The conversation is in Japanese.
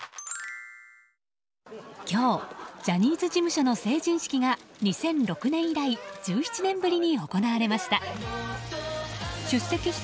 今日ジャニーズ事務所の成人式が２００６年以来１７年ぶりに行われました。